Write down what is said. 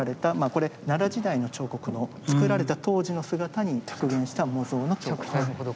これ奈良時代の彫刻の作られた当時の姿に復元した模造の彫刻。